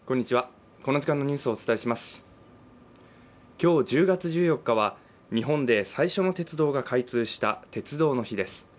今日１０月１４日は日本で最初の鉄道が開通した鉄道の日です。